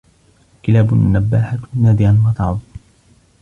الكلاب النباحة نادراً ما تعض